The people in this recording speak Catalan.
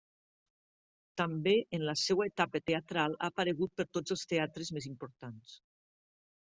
També en la seua etapa teatral ha aparegut per tots els teatres més importants.